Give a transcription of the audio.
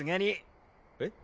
えっ？